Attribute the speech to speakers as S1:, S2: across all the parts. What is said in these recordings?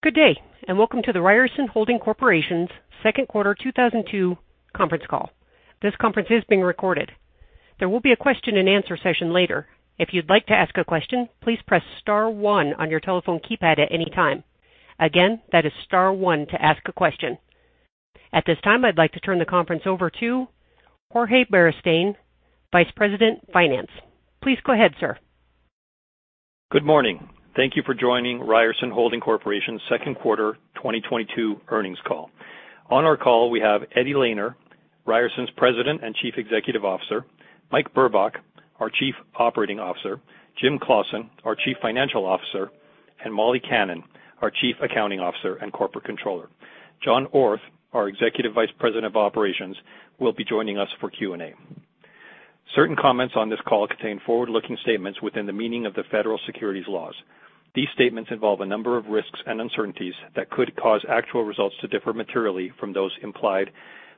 S1: Good day, and welcome to the Ryerson Holding Corporation's Second Quarter 2022 Conference Call. This conference is being recorded. There will be a question-and-answer session later. If you'd like to ask a question, please press star one on your telephone keypad at any time. Again, that is star one to ask a question. At this time, I'd like to turn the conference over to Jorge Beristain, Vice President, Finance. Please go ahead, sir.
S2: Good morning. Thank you for joining Ryerson Holding Corporation second quarter 2022 earnings call. On our call, we have Eddie Lehner, Ryerson's President and Chief Executive Officer, Mike Burbach, our Chief Operating Officer, Jim Claussen, our Chief Financial Officer, and Molly Kannan, our Chief Accounting Officer and Corporate Controller. John Orth, our Executive Vice President of Operations, will be joining us for Q&A. Certain comments on this call contain forward-looking statements within the meaning of the federal securities laws. These statements involve a number of risks and uncertainties that could cause actual results to differ materially from those implied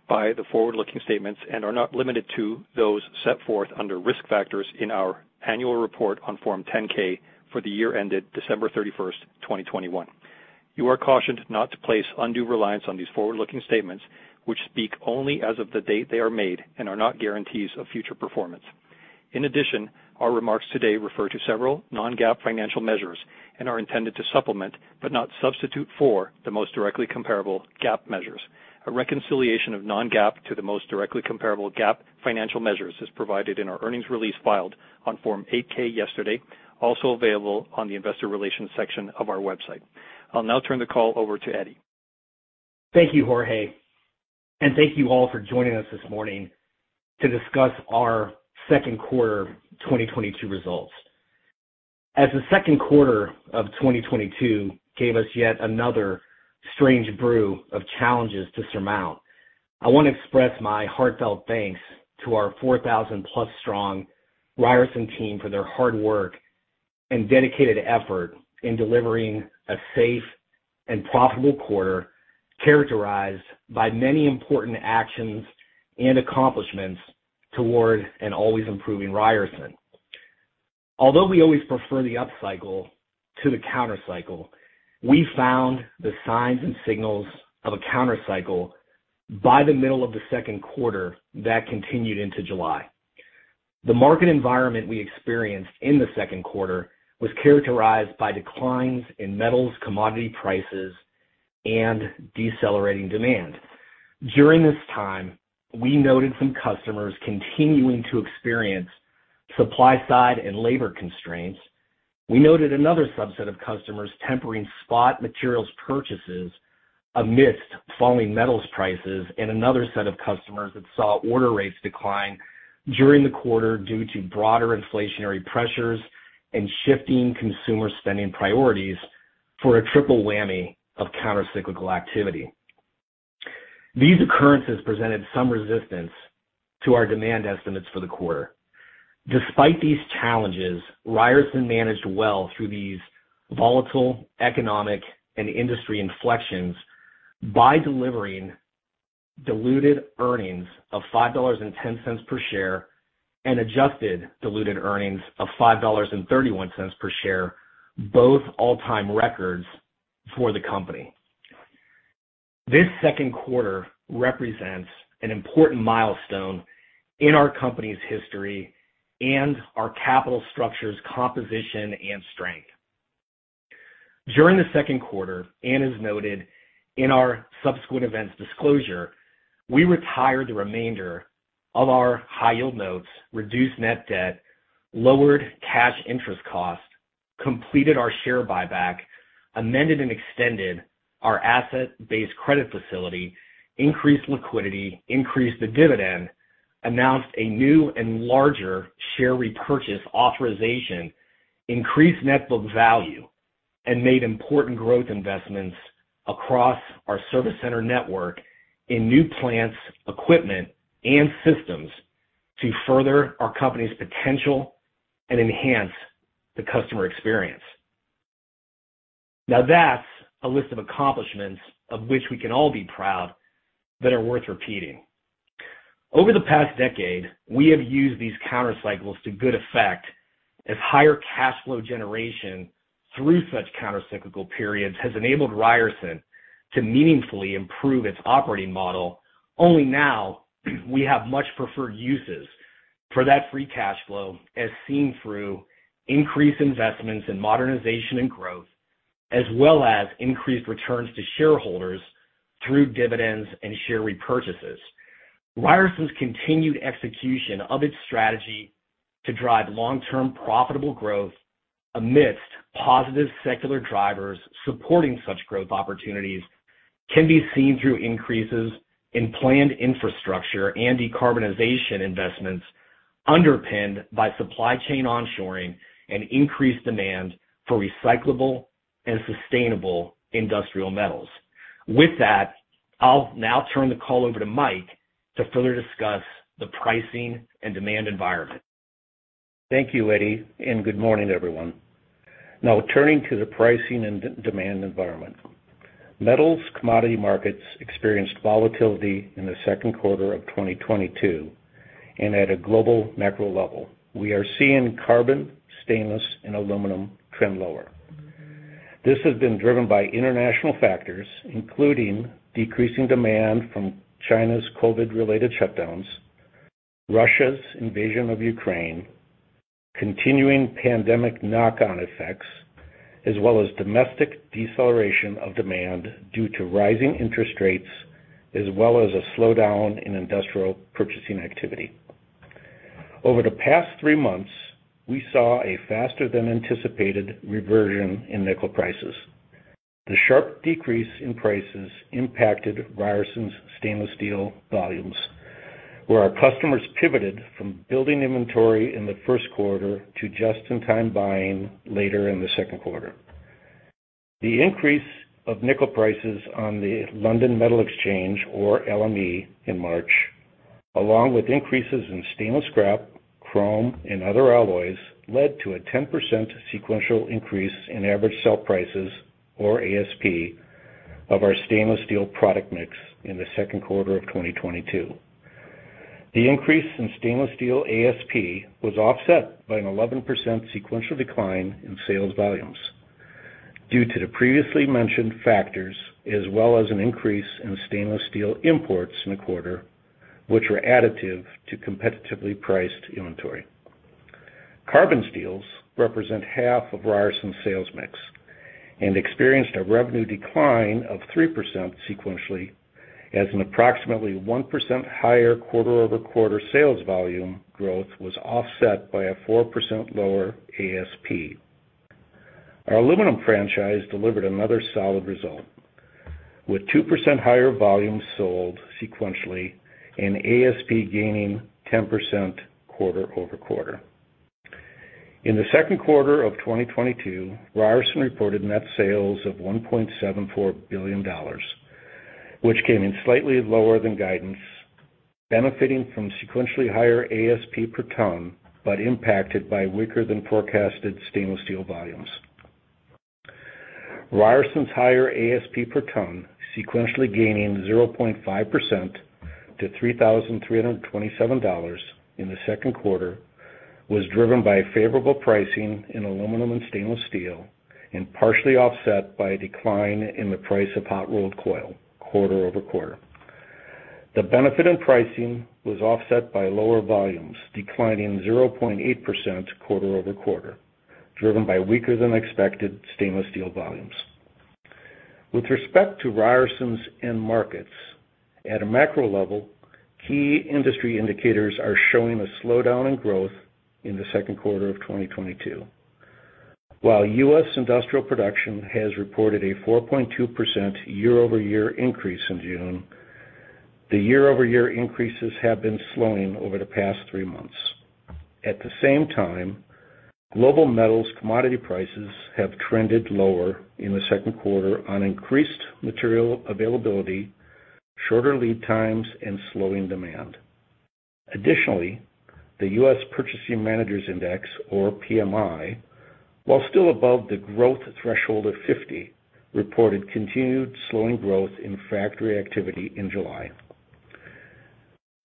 S2: by the forward-looking statements and are not limited to those set forth under risk factors in our annual report on Form 10-K for the year ended December 31, 2021. You are cautioned not to place undue reliance on these forward-looking statements, which speak only as of the date they are made and are not guarantees of future performance. In addition, our remarks today refer to several non-GAAP financial measures and are intended to supplement, but not substitute for, the most directly comparable GAAP measures. A reconciliation of non-GAAP to the most directly comparable GAAP financial measures is provided in our earnings release filed on Form 8-K yesterday, also available on the investor relations section of our website. I'll now turn the call over to Eddie.
S3: Thank you, Jorge, and thank you all for joining us this morning to discuss our second quarter 2022 results. As the second quarter of 2022 gave us yet another strange brew of challenges to surmount, I want to express my heartfelt thanks to our 4,000-plus strong Ryerson team for their hard work and dedicated effort in delivering a safe and profitable quarter characterized by many important actions and accomplishments toward an always improving Ryerson. Although we always prefer the upcycle to the counter cycle, we found the signs and signals of a counter cycle by the middle of the second quarter that continued into July. The market environment we experienced in the second quarter was characterized by declines in metals, commodity prices, and decelerating demand. During this time, we noted some customers continuing to experience supply side and labor constraints. We noted another subset of customers tempering spot materials purchases amidst falling metals prices, and another set of customers that saw order rates decline during the quarter due to broader inflationary pressures and shifting consumer spending priorities for a triple whammy of countercyclical activity. These occurrences presented some resistance to our demand estimates for the quarter. Despite these challenges, Ryerson managed well through these volatile economic and industry inflections by delivering diluted earnings of $5.10 per share and adjusted diluted earnings of $5.31 per share, both all-time records for the company. This second quarter represents an important milestone in our company's history and our capital structure's composition and strength. During the second quarter, and as noted in our subsequent events disclosure, we retired the remainder of our high yield notes, reduced net debt, lowered cash interest costs, completed our share buyback, amended and extended our asset-based credit facility, increased liquidity, increased the dividend, announced a new and larger share repurchase authorization, increased net book value, and made important growth investments across our service center network in new plants, equipment, and systems to further our company's potential and enhance the customer experience. Now, that's a list of accomplishments of which we can all be proud that are worth repeating. Over the past decade, we have used these countercycles to good effect, as higher cash flow generation through such countercyclical periods has enabled Ryerson to meaningfully improve its operating model. Only now we have much preferred uses for that free cash flow, as seen through increased investments in modernization and growth, as well as increased returns to shareholders through dividends and share repurchases. Ryerson's continued execution of its strategy to drive long-term profitable growth amidst positive secular drivers supporting such growth opportunities can be seen through increases in planned infrastructure and decarbonization investments underpinned by supply chain onshoring and increased demand for recyclable and sustainable industrial metals. With that, I'll now turn the call over to Mike to further discuss the pricing and demand environment.
S4: Thank you, Eddie, and good morning, everyone. Now turning to the pricing and demand environment. Metals commodity markets experienced volatility in the second quarter of 2022, and at a global macro level. We are seeing carbon, stainless, and aluminum trend lower. This has been driven by international factors, including decreasing demand from China's COVID-related shutdowns, Russia's invasion of Ukraine, continuing pandemic knock-on effects, as well as domestic deceleration of demand due to rising interest rates, as well as a slowdown in industrial purchasing activity. Over the past three months, we saw a faster than anticipated reversion in nickel prices. The sharp decrease in prices impacted Ryerson's stainless steel volumes, where our customers pivoted from building inventory in the first quarter to just-in-time buying later in the second quarter. The increase of nickel prices on the London Metal Exchange, or LME, in March, along with increases in stainless scrap, chrome, and other alloys, led to a 10% sequential increase in Average Sale Prices, or ASP, of our stainless steel product mix in the second quarter of 2022. The increase in stainless steel ASP was offset by an 11% sequential decline in sales volumes due to the previously mentioned factors, as well as an increase in stainless steel imports in the quarter, which were additive to competitively priced inventory. Carbon steels represent half of Ryerson's sales mix and experienced a revenue decline of 3% sequentially as an approximately 1% higher quarter-over-quarter sales volume growth was offset by a 4% lower ASP. Our aluminum franchise delivered another solid result, with 2% higher volumes sold sequentially and ASP gaining 10% quarter-over-quarter. In the second quarter of 2022, Ryerson reported net sales of $1.74 billion, which came in slightly lower than guidance, benefiting from sequentially higher ASP per ton, but impacted by weaker than forecasted stainless steel volumes. Ryerson's higher ASP per ton, sequentially gaining 0.5% to $3,327 in the second quarter, was driven by favorable pricing in aluminum and stainless steel and partially offset by a decline in the price of hot rolled coil quarter-over-quarter. The benefit in pricing was offset by lower volumes, declining 0.8% quarter-over-quarter, driven by weaker than expected stainless steel volumes. With respect to Ryerson's end markets, at a macro level, key industry indicators are showing a slowdown in growth in the second quarter of 2022. While U.S. industrial production has reported a 4.2% year-over-year increase in June, the year-over-year increases have been slowing over the past three months. At the same time, global metals commodity prices have trended lower in the second quarter on increased material availability, shorter lead times, and slowing demand. Additionally, the U.S. Purchasing Managers Index, or PMI, while still above the growth threshold of 50, reported continued slowing growth in factory activity in July.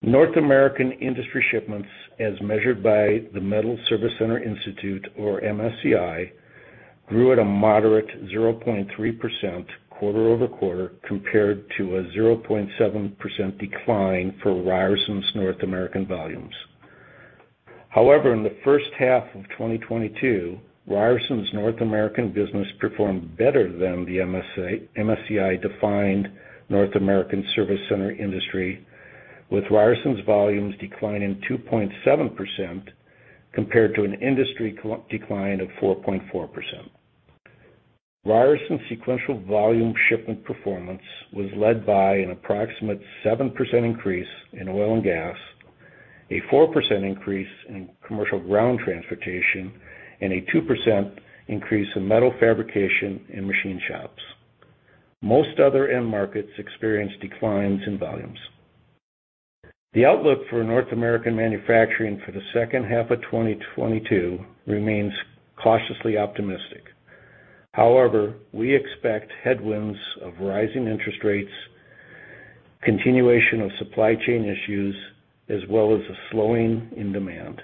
S4: North American industry shipments as measured by the Metals Service Center Institute, or MSCI, grew at a moderate 0.3% quarter-over-quarter, compared to a 0.7% decline for Ryerson's North American volumes. However, in the first half of 2022, Ryerson's North American business performed better than the MSCI-defined North American Service Center industry, with Ryerson's volumes declining 2.7% compared to an industry decline of 4.4%. Ryerson's sequential volume shipment performance was led by an approximate 7% increase in oil and gas, a 4% increase in commercial ground transportation, and a 2% increase in metal fabrication in machine shops. Most other end markets experienced declines in volumes. The outlook for North American manufacturing for the second half of 2022 remains cautiously optimistic. However, we expect headwinds of rising interest rates, continuation of supply chain issues, as well as a slowing in demand.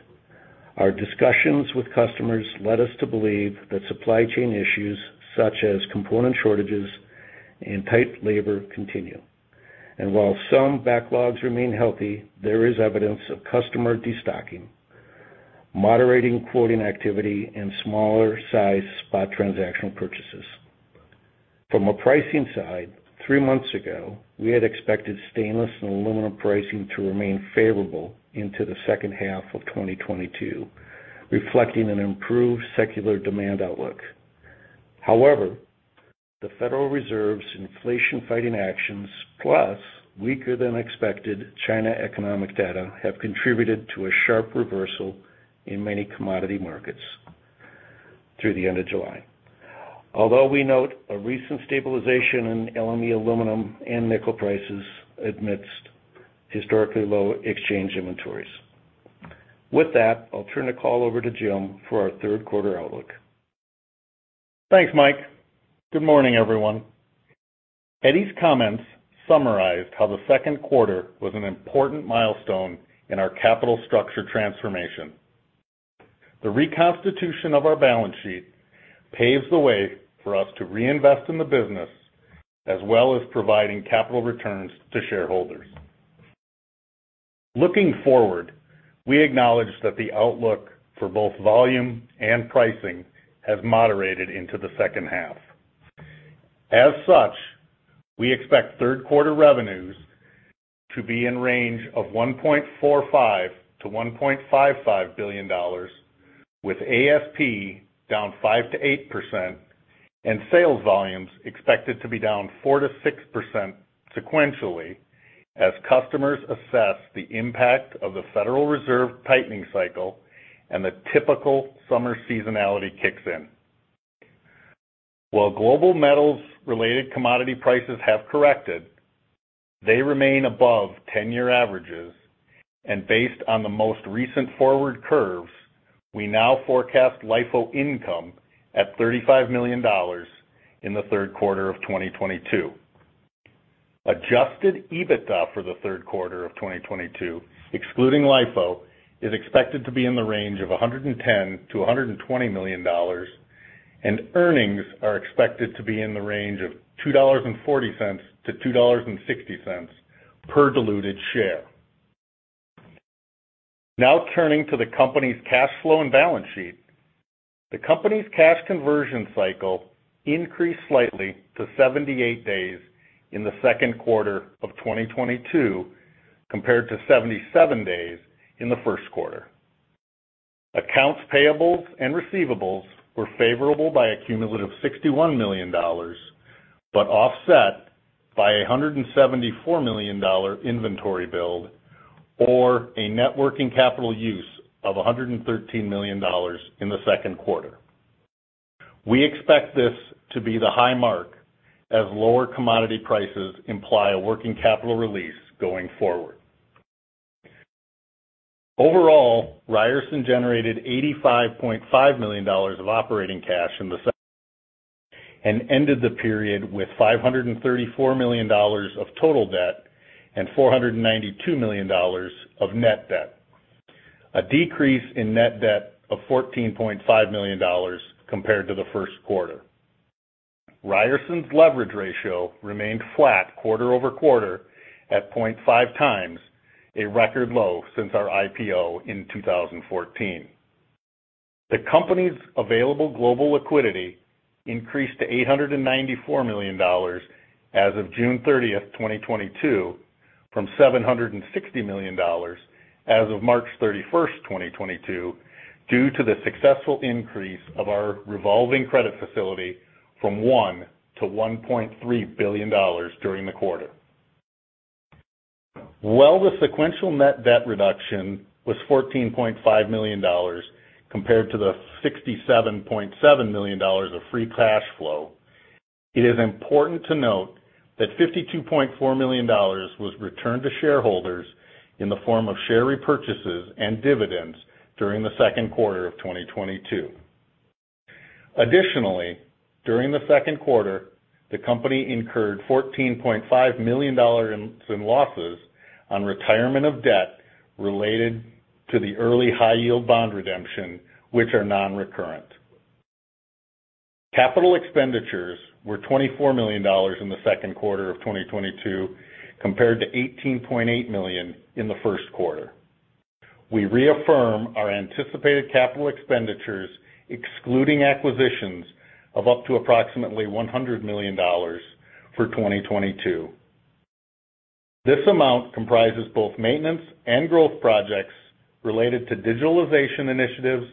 S4: Our discussions with customers led us to believe that supply chain issues such as component shortages and tight labor continue. While some backlogs remain healthy, there is evidence of customer destocking, moderating quoting activity, and smaller-sized spot transaction purchases. From a pricing side, 3 months ago, we had expected stainless and aluminum pricing to remain favorable into the second half of 2022, reflecting an improved secular demand outlook. However, the Federal Reserve's inflation-fighting actions, plus weaker than expected China economic data, have contributed to a sharp reversal in many commodity markets through the end of July. Although we note a recent stabilization in LME aluminum and nickel prices amidst historically low exchange inventories. With that, I'll turn the call over to Jim for our third quarter outlook.
S5: Thanks, Mike. Good morning, everyone. Eddie's comments summarized how the second quarter was an important milestone in our capital structure transformation. The reconstitution of our balance sheet paves the way for us to reinvest in the business, as well as providing capital returns to shareholders. Looking forward, we acknowledge that the outlook for both volume and pricing has moderated into the second half. As such, we expect third quarter revenues to be in range of $1.45 billion-$1.55 billion, with ASP down 5%-8% and sales volumes expected to be down 4%-6% sequentially as customers assess the impact of the Federal Reserve tightening cycle and the typical summer seasonality kicks in. While global metals-related commodity prices have corrected, they remain above 10-year averages. Based on the most recent forward curves, we now forecast LIFO income at $35 million in the third quarter of 2022. Adjusted EBITDA for the third quarter of 2022, excluding LIFO, is expected to be in the range of $110 million-$120 million, and earnings are expected to be in the range of $2.40-$2.60 per diluted share. Now turning to the company's cash flow and balance sheet. The company's cash conversion cycle increased slightly to 78 days in the second quarter of 2022, compared to 77 days in the first quarter. Accounts payables and receivables were favorable by a cumulative $61 million, but offset by a $174 million inventory build, or a net working capital use of a $113 million in the second quarter. We expect this to be the high mark as lower commodity prices imply a working capital release going forward. Overall, Ryerson generated $85.5 million of operating cash in the second quarter and ended the period with $534 million of total debt and $492 million of net debt, a decrease in net debt of $14.5 million compared to the first quarter. Ryerson's leverage ratio remained flat quarter-over-quarter at 0.5 times, a record low since our IPO in 2014. The company's available global liquidity increased to $894 million as of June 30, 2022, from $760 million as of March 31, 2022, due to the successful increase of our revolving credit facility from $1 billion to $1.3 billion during the quarter. While the sequential net debt reduction was $14.5 million compared to the $67.7 million of free cash flow, it is important to note that $52.4 million was returned to shareholders in the form of share repurchases and dividends during the second quarter of 2022. Additionally, during the second quarter, the company incurred $14.5 million in losses on retirement of debt related to the early high yield bond redemption, which are non-recurrent. Capital expenditures were $24 million in the second quarter of 2022, compared to $18.8 million in the first quarter. We reaffirm our anticipated capital expenditures, excluding acquisitions, of up to approximately $100 million for 2022. This amount comprises both maintenance and growth projects related to digitalization initiatives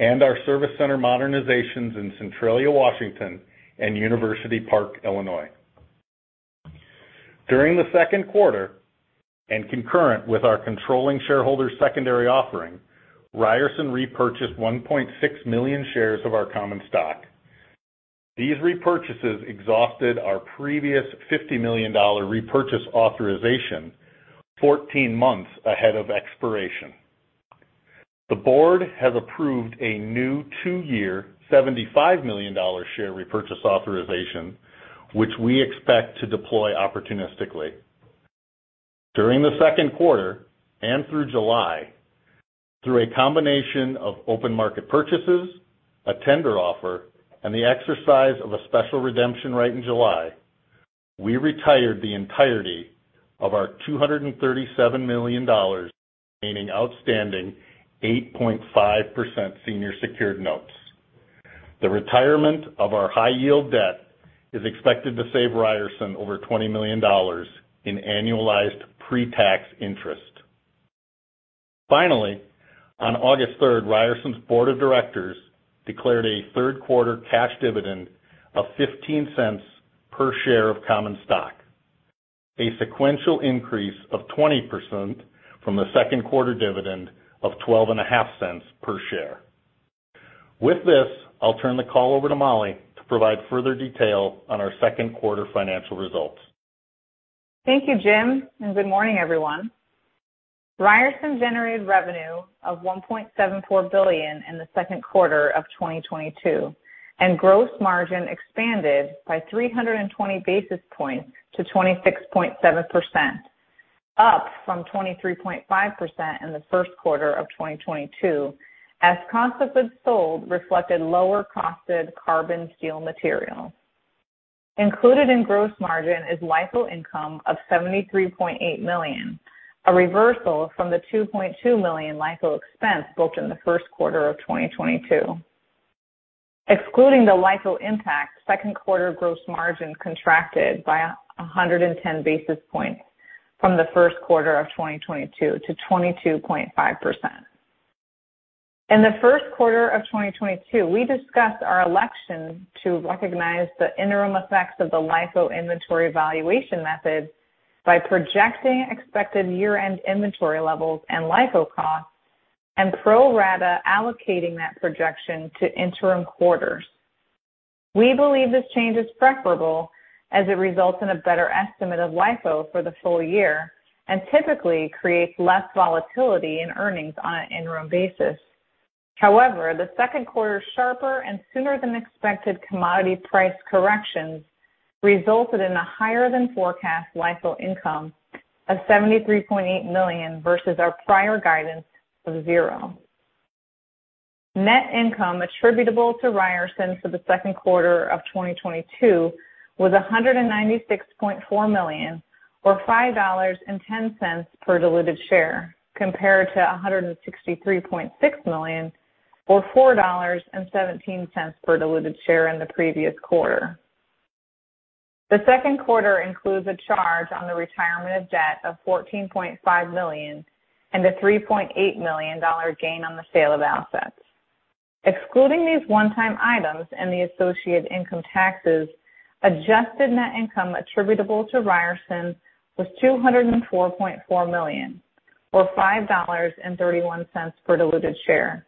S5: and our service center modernizations in Centralia, Washington, and University Park, Illinois. During the second quarter, and concurrent with our controlling shareholder secondary offering, Ryerson repurchased 1.6 million shares of our common stock. These repurchases exhausted our previous $50 million repurchase authorization fourteen months ahead of expiration. The board has approved a new two-year $75 million share repurchase authorization, which we expect to deploy opportunistically. During the second quarter and through July, through a combination of open market purchases, a tender offer, and the exercise of a special redemption right in July, we retired the entirety of our $237 million remaining outstanding 8.5% senior secured notes. The retirement of our high-yield debt is expected to save Ryerson over $20 million in annualized pre-tax interest. Finally, on August 3, Ryerson's board of directors declared a third quarter cash dividend of $0.15 per share of common stock, a sequential increase of 20% from the second quarter dividend of $0.125 per share. With this, I'll turn the call over to Molly to provide further detail on our second quarter financial results.
S6: Thank you, Jim, and good morning, everyone. Ryerson generated revenue of $1.74 billion in the second quarter of 2022, and gross margin expanded by 320 basis points to 26.7%, up from 23.5% in the first quarter of 2022, as cost of goods sold reflected lower costed carbon steel material. Included in gross margin is LIFO income of $73.8 million, a reversal from the $2.2 million LIFO expense booked in the first quarter of 2022. Excluding the LIFO impact, second quarter gross margin contracted by 110 basis points from the first quarter of 2022 to 22.5%. In the first quarter of 2022, we discussed our election to recognize the interim effects of the LIFO inventory valuation method by projecting expected year-end inventory levels and LIFO costs and pro rata allocating that projection to interim quarters. We believe this change is preferable as it results in a better estimate of LIFO for the full year and typically creates less volatility in earnings on an interim basis. However, the second quarter sharper and sooner than expected commodity price corrections resulted in a higher than forecast LIFO income of $73.8 million versus our prior guidance of $0. Net income attributable to Ryerson for the second quarter of 2022 was $196.4 million, or $5.10 per diluted share, compared to $163.6 million, or $4.17 per diluted share in the previous quarter. The second quarter includes a charge on the retirement of debt of $14.5 million and a $3.8 million gain on the sale of assets. Excluding these one-time items and the associated income taxes, adjusted net income attributable to Ryerson was $204.4 million, or $5.31 per diluted share,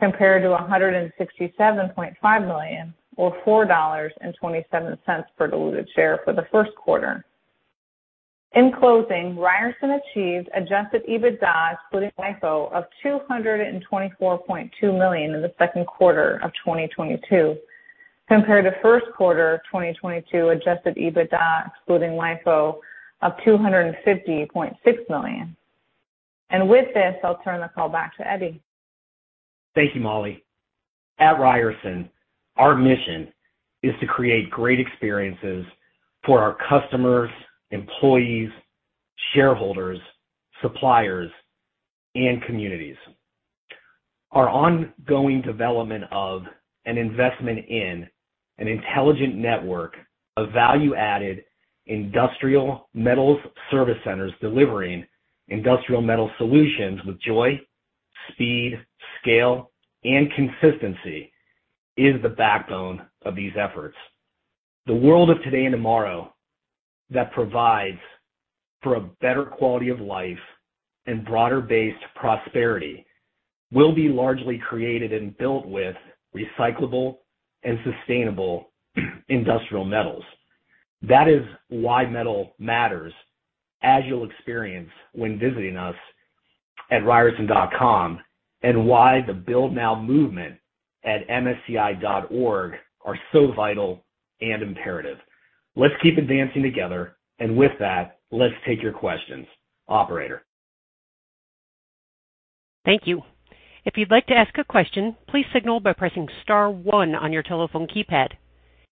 S6: compared to $167.5 million, or $4.27 per diluted share for the first quarter. In closing, Ryerson achieved Adjusted EBITDA excluding LIFO of $224.2 million in the second quarter of 2022, compared to first quarter of 2022 Adjusted EBITDA excluding LIFO of $250.6 million. With this, I'll turn the call back to Eddie.
S3: Thank you, Molly. At Ryerson, our mission is to create great experiences for our customers, employees, shareholders, suppliers, and communities. Our ongoing development of an investment in an intelligent network of value-added industrial metals service centers delivering industrial metal solutions with joy, speed, scale, and consistency is the backbone of these efforts. The world of today and tomorrow that provides for a better quality of life and broader-based prosperity will be largely created and built with recyclable and sustainable industrial metals. That is why metal matters, as you'll experience when visiting us at ryerson.com, and why the Build Now movement at msci.org are so vital and imperative. Let's keep advancing together. With that, let's take your questions. Operator.
S1: Thank you. If you'd like to ask a question, please signal by pressing star one on your telephone keypad.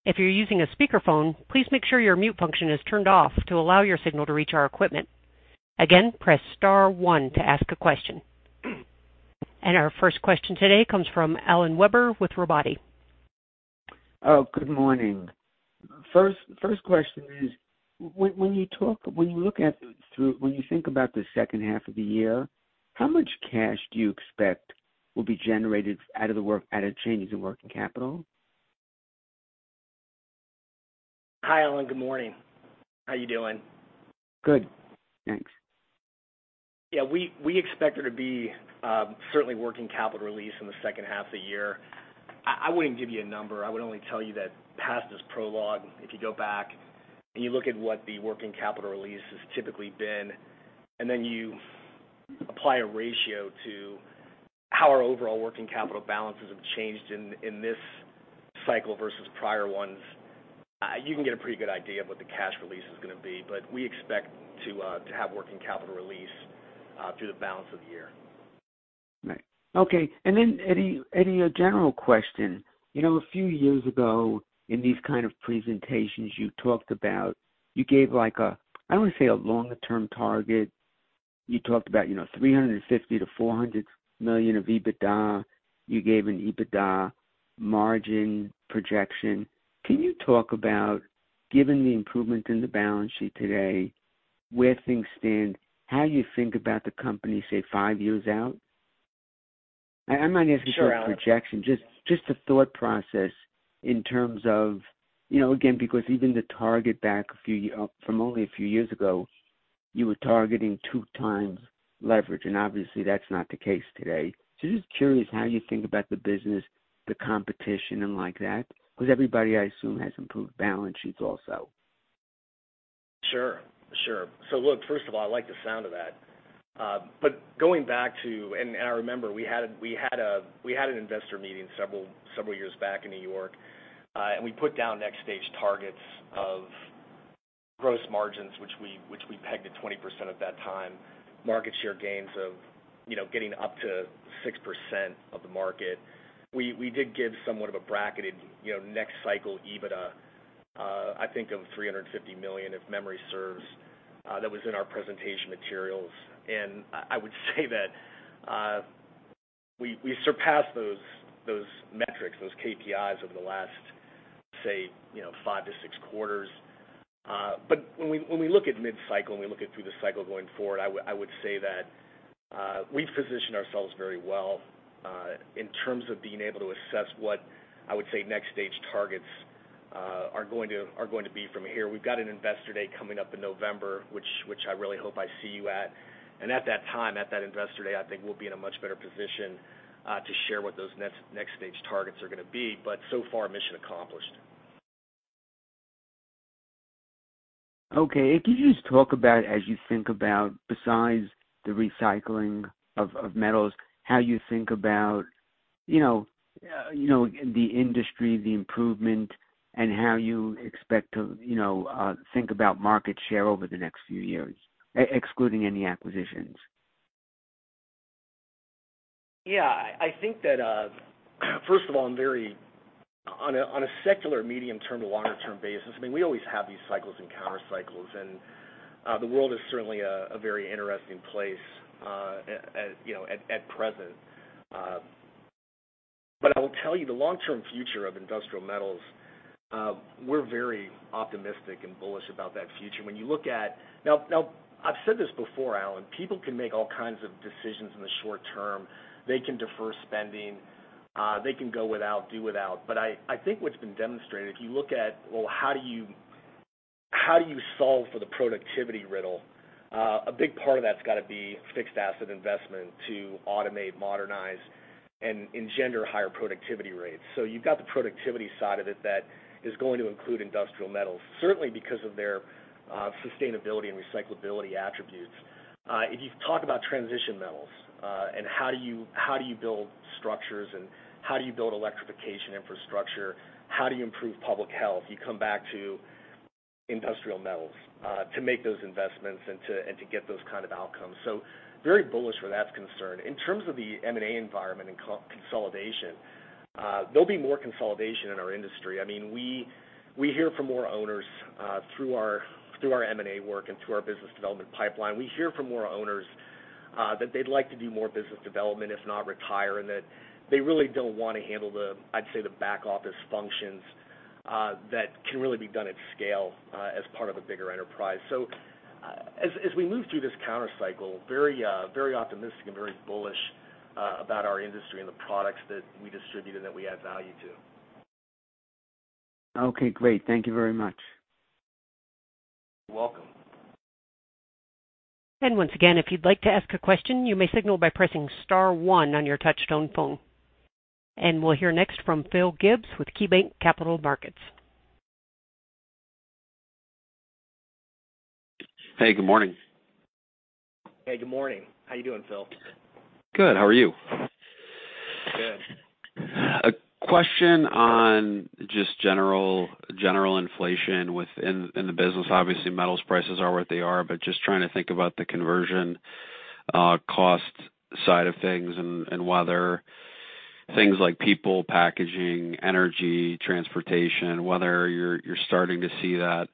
S1: If you're using a speakerphone, please make sure your mute function is turned off to allow your signal to reach our equipment. Again, press star one to ask a question. Our first question today comes from Alan Weber with Robotti.
S7: Oh, good morning. First question is, when you think about the second half of the year, how much cash do you expect will be generated out of changes in working capital?
S3: Hi, Alan. Good morning. How you doing?
S7: Good, thanks.
S3: Yeah, we expect there to be certainly working capital release in the second half of the year. I wouldn't give you a number. I would only tell you that past is prologue. If you go back and you look at what the working capital release has typically been, and then you apply a ratio to how our overall working capital balances have changed in this cycle versus prior ones, you can get a pretty good idea of what the cash release is gonna be. But we expect to have working capital release through the balance of the year.
S7: Right. Okay. Eddie, a general question. You know, a few years ago in these kind of presentations, you talked about. You gave like a, I don't wanna say a longer-term target. You talked about, you know, $350 million-$400 million of EBITDA. You gave an EBITDA margin projection. Can you talk about, given the improvement in the balance sheet today, where things stand, how you think about the company, say, five years out? I'm not asking for-
S3: Sure, Alan.
S7: A projection, just a thought process in terms of, you know, again, because even the target back from only a few years ago. You were targeting 2x leverage, and obviously that's not the case today. Just curious how you think about the business, the competition and like that, because everybody, I assume, has improved balance sheets also.
S3: Sure. First of all, I like the sound of that. But going back to, I remember we had an investor meeting several years back in New York, and we put down next stage targets of gross margins, which we pegged at 20% at that time, market share gains of, you know, getting up to 6% of the market. We did give somewhat of a bracketed, you know, next cycle EBITDA, I think of $350 million, if memory serves, that was in our presentation materials. I would say that, we surpassed those metrics, those KPIs over the last, say, you know, 5-6 quarters. When we look at mid-cycle and through the cycle going forward, I would say that we've positioned ourselves very well in terms of being able to assess what I would say next stage targets are going to be from here. We've got an investor day coming up in November, which I really hope I see you at. At that time, at that investor day, I think we'll be in a much better position to share what those next stage targets are gonna be. So far, mission accomplished.
S7: Okay. If you just talk about as you think about besides the recycling of metals, how you think about, you know, the industry, the improvement, and how you expect to, you know, think about market share over the next few years, excluding any acquisitions?
S3: Yeah. I think that, first of all, I'm very, on a secular medium-term to longer term basis. I mean, we always have these cycles and counter cycles, and the world is certainly a very interesting place, at, you know, at present. I will tell you the long-term future of industrial metals. We're very optimistic and bullish about that future. When you look at. Now, I've said this before, Alan, people can make all kinds of decisions in the short term. They can defer spending. They can go without, do without. I think what's been demonstrated, if you look at, well, how do you solve for the productivity riddle? A big part of that's got to be fixed asset investment to automate, modernize, and engender higher productivity rates. You've got the productivity side of it that is going to include industrial metals, certainly because of their sustainability and recyclability attributes. If you talk about transition metals and how do you build structures, and how do you build electrification infrastructure? How do you improve public health? You come back to industrial metals to make those investments and to get those kind of outcomes. Very bullish where that's concerned. In terms of the M&A environment and consolidation, there'll be more consolidation in our industry. I mean, we hear from more owners through our M&A work and through our business development pipeline. We hear from more owners that they'd like to do more business development, if not retire, and that they really don't wanna handle the, I'd say, the back office functions that can really be done at scale as part of a bigger enterprise. As we move through this counter cycle, very, very optimistic and very bullish about our industry and the products that we distribute and that we add value to.
S7: Okay, great. Thank you very much.
S3: You're welcome.
S1: Once again, if you'd like to ask a question, you may signal by pressing star one on your touchtone phone. We'll hear next from Phil Gibbs with KeyBanc Capital Markets.
S8: Hey, good morning.
S3: Hey, good morning. How you doing, Phil?
S8: Good. How are you?
S3: Good.
S8: A question on just general inflation within the business. Obviously, metals prices are what they are, but just trying to think about the conversion cost side of things and whether things like people, packaging, energy, transportation, whether you're starting to see that,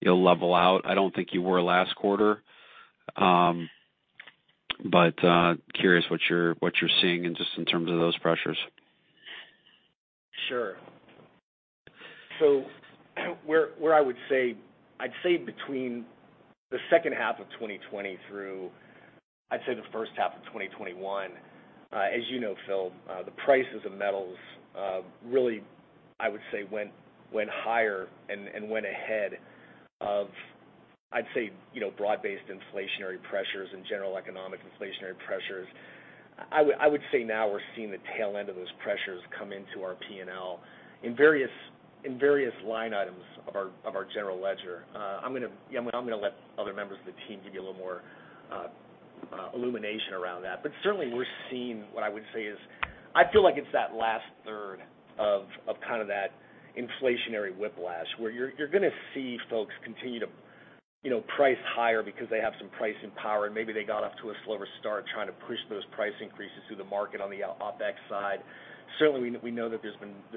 S8: you know, level out. I don't think you were last quarter. But curious what you're seeing and just in terms of those pressures.
S3: Sure. Where I would say, I'd say between the second half of 2020 through the first half of 2021, as you know, Phil, the prices of metals really went higher and went ahead of, I'd say, you know, broad-based inflationary pressures and general economic inflationary pressures. I would say now we're seeing the tail end of those pressures come into our P&L in various line items of our general ledger. I'm gonna let other members of the team give you a little more illumination around that. Certainly we're seeing what I would say is I feel like it's that last third of kind of that inflationary whiplash where you're gonna see folks continue to, you know, price higher because they have some pricing power and maybe they got off to a slower start trying to push those price increases through the market on the OpEx side. Certainly, we know that there's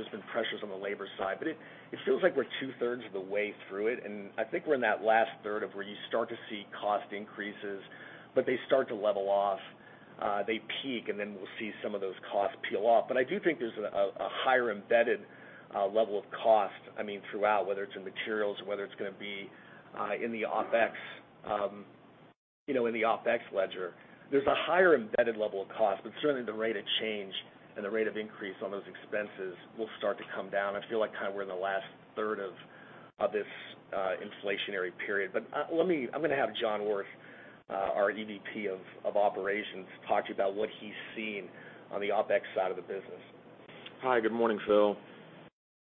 S3: been pressures on the labor side, but it feels like we're two-thirds of the way through it, and I think we're in that last third of where you start to see cost increases, but they start to level off. They peak, and then we'll see some of those costs peel off. I do think there's a higher embedded level of cost, I mean, throughout, whether it's in materials or whether it's gonna be in the OpEx. You know, in the OpEx ledger, there's a higher embedded level of cost, but certainly the rate of change and the rate of increase on those expenses will start to come down. I feel like kind of we're in the last third of this inflationary period. Let me, I'm gonna have John Orth, our EVP of Operations, talk to you about what he's seen on the OpEx side of the business.
S9: Hi, good morning, Phil.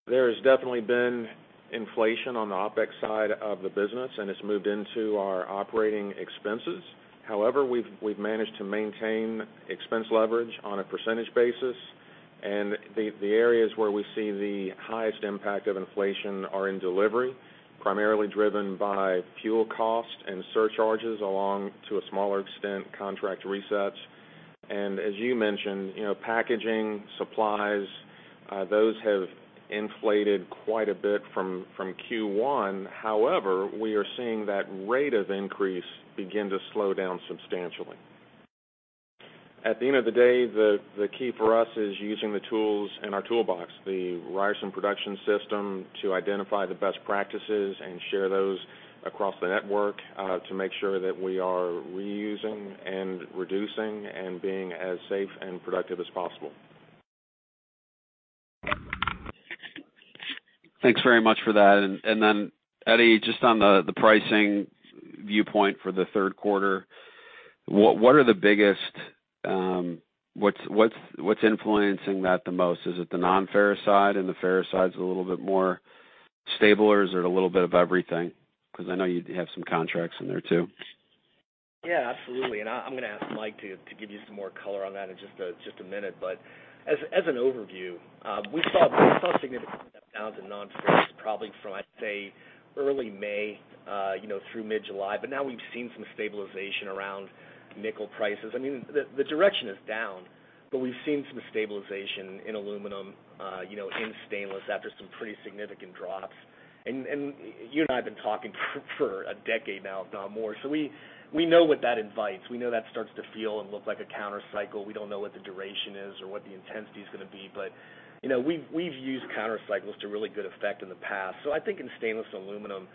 S9: There has definitely been inflation on the OpEx side of the business, and it's moved into our operating expenses. However, we've managed to maintain expense leverage on a percentage basis, and the areas where we see the highest impact of inflation are in delivery, primarily driven by fuel costs and surcharges, along, to a smaller extent, contract resets. As you mentioned, you know, packaging, supplies, those have inflated quite a bit from Q1. However, we are seeing that rate of increase begin to slow down substantially. At the end of the day, the key for us is using the tools in our toolbox, the Ryerson production system, to identify the best practices and share those across the network, to make sure that we are reusing and reducing and being as safe and productive as possible.
S8: Thanks very much for that. Eddie, just on the pricing viewpoint for the third quarter, what's influencing that the most? Is it the nonferrous side, and the ferrous side's a little bit more stable, or is it a little bit of everything? 'Cause I know you have some contracts in there too.
S3: Yeah, absolutely. I'm gonna ask Mike to give you some more color on that in just a minute. As an overview, we saw significant step downs in nonferrous, probably from, I'd say, early May, you know, through mid-July. Now we've seen some stabilization around nickel prices. I mean, the direction is down, but we've seen some stabilization in aluminum, you know, in stainless after some pretty significant drops. You and I have been talking for a decade now, if not more, so we know what that invites. We know that starts to feel and look like a counter-cycle. We don't know what the duration is or what the intensity is gonna be, but, you know, we've used counter-cycles to really good effect in the past. I think in stainless aluminum,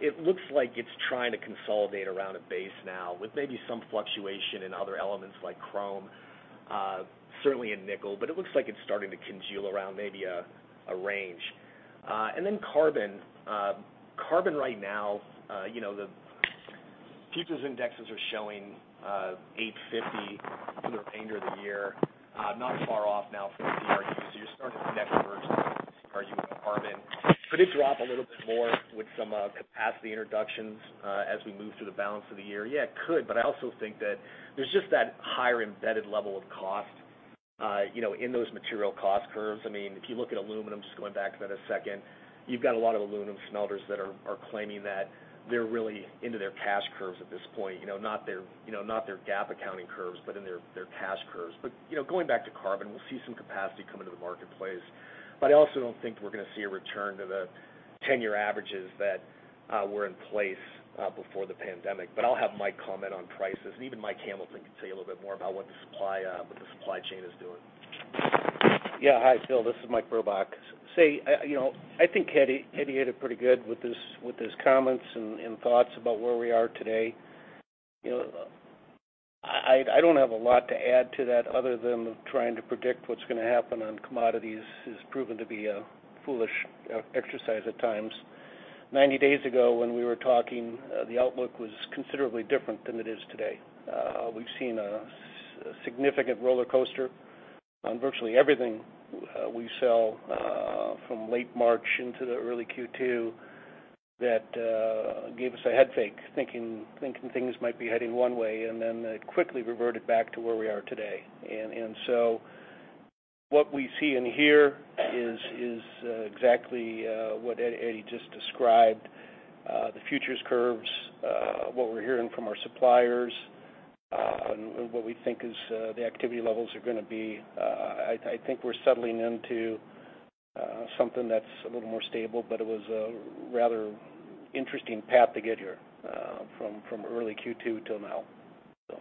S3: it looks like it's trying to consolidate around a base now with maybe some fluctuation in other elements like chrome, certainly in nickel, but it looks like it's starting to congeal around maybe a range. Carbon. Carbon right now, you know, the futures indexes are showing $850 for the remainder of the year, not far off now from the margins. You're starting to see that emerge as far as carbon. Could it drop a little bit more with some capacity introductions as we move through the balance of the year? Yeah, it could, but I also think that there's just that higher embedded level of cost, you know, in those material cost curves. I mean, if you look at aluminum, just going back to that a second, you've got a lot of aluminum smelters that are claiming that they're really into their cash curves at this point. You know, not their GAAP accounting curves, but their cash curves. You know, going back to carbon, we'll see some capacity come into the marketplace. I also don't think we're gonna see a return to the ten-year averages that were in place before the pandemic. I'll have Mike comment on prices, and even Mike Hamilton can tell you a little bit more about what the supply chain is doing.
S4: Yeah. Hi, Phil, this is Mike Burbach. I think Eddie hit it pretty good with his comments and thoughts about where we are today. I don't have a lot to add to that other than trying to predict what's gonna happen on commodities has proven to be a foolish exercise at times. 90 days ago, when we were talking, the outlook was considerably different than it is today. We've seen a significant roller coaster on virtually everything we sell from late March into the early Q2 that gave us a head fake, thinking things might be heading one way, and then it quickly reverted back to where we are today. What we see and hear is exactly what Eddie just described. The futures curves, what we're hearing from our suppliers, and what we think is, the activity levels are gonna be. I think we're settling into something that's a little more stable, but it was a rather interesting path to get here from early Q2 till now, so.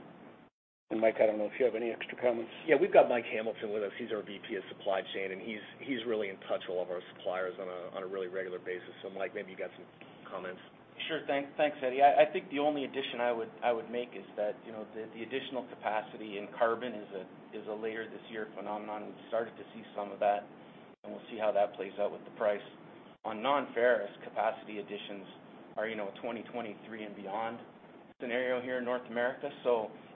S3: Mike, I don't know if you have any extra comments.
S4: Yeah. We've got Mike Hamilton with us. He's our VP of Supply Chain, and he's really in touch with all of our suppliers on a really regular basis. Mike, maybe you got some comments.
S10: Sure. Thanks, Eddie. I think the only addition I would make is that the additional capacity in carbon is a later this year phenomenon. We've started to see some of that, and we'll see how that plays out with the price. On nonferrous capacity additions are a 2023 and beyond scenario here in North America.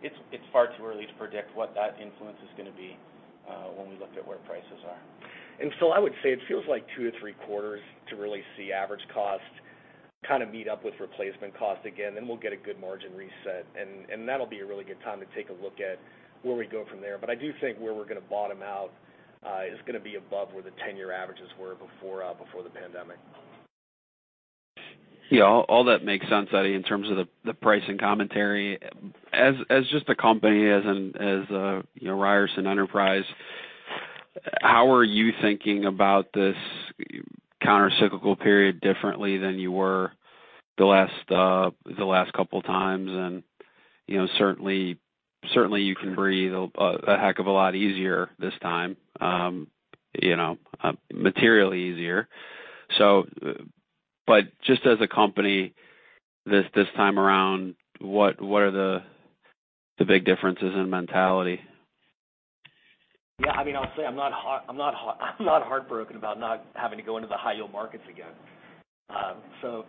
S10: It's far too early to predict what that influence is gonna be when we look at where prices are.
S3: Phil, I would say it feels like 2-3 quarters to really see average cost kind of meet up with replacement cost again, then we'll get a good margin reset, and that'll be a really good time to take a look at where we go from there. But I do think where we're gonna bottom out is gonna be above where the 10-year averages were before the pandemic.
S8: Yeah. All that makes sense, Eddie, in terms of the pricing commentary. As just a company, you know, Ryerson Enterprise, how are you thinking about this counter-cyclical period differently than you were the last couple times? You know, certainly you can breathe a heck of a lot easier this time, materially easier. But just as a company this time around, what are the big differences in mentality?
S3: Yeah, I mean, I'll say I'm not heartbroken about not having to go into the high-yield markets again. So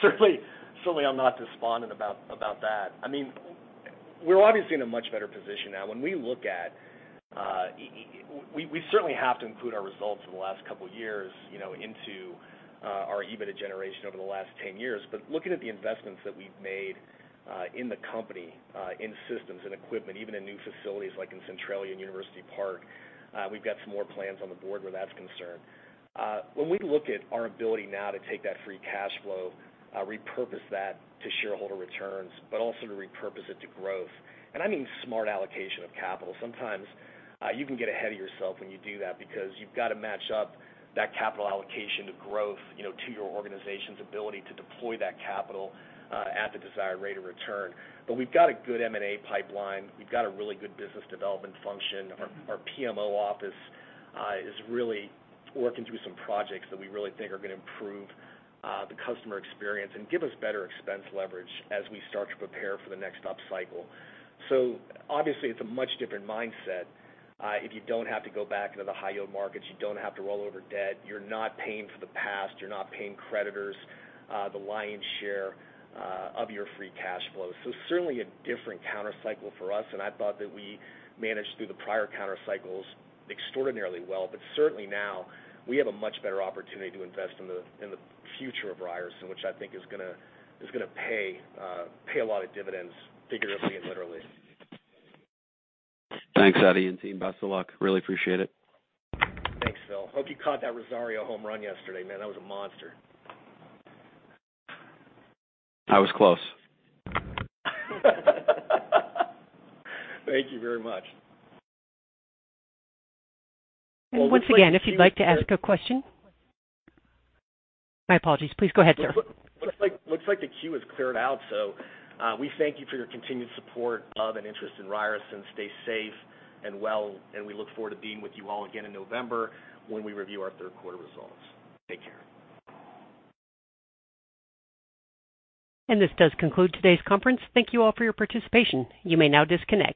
S3: certainly I'm not despondent about that. I mean, we're obviously in a much better position now. When we look at, we certainly have to include our results for the last couple of years, you know, into our EBITDA generation over the last 10 years. But looking at the investments that we've made in the company in systems and equipment, even in new facilities like in Centralia and University Park, we've got some more plans on the board where that's concerned. When we look at our ability now to take that free cash flow, repurpose that to shareholder returns, but also to repurpose it to growth, and I mean smart allocation of capital. Sometimes, you can get ahead of yourself when you do that because you've got to match up that capital allocation to growth, you know, to your organization's ability to deploy that capital, at the desired rate of return. We've got a good M&A pipeline. We've got a really good business development function. Our PMO office is really working through some projects that we really think are gonna improve, the customer experience and give us better expense leverage as we start to prepare for the next upcycle. Obviously, it's a much different mindset, if you don't have to go back into the high-yield markets, you don't have to roll over debt, you're not paying for the past, you're not paying creditors, the lion's share, of your free cash flow. Certainly a different countercycle for us, and I thought that we managed through the prior countercycles extraordinarily well. Certainly now we have a much better opportunity to invest in the future of Ryerson, which I think is gonna pay a lot of dividends, figuratively and literally.
S8: Thanks, Eddie and team. Best of luck. Really appreciate it.
S3: Thanks, Phil. Hope you caught that Rosario home run yesterday, man. That was a monster.
S8: I was close.
S3: Thank you very much.
S1: Once again, if you'd like to ask a question. My apologies. Please go ahead, sir.
S3: Looks like the queue has cleared out. We thank you for your continued support of and interest in Ryerson. Stay safe and well, and we look forward to being with you all again in November when we review our third quarter results. Take care.
S1: This does conclude today's conference. Thank you all for your participation. You may now disconnect.